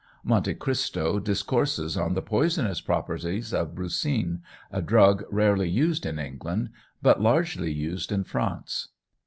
Monte Christo discourses on the poisonous properties of brucine, a drug rarely used in England, but largely used in France.